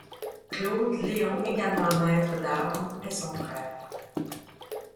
Claude Léon également maître d’armes est son frère.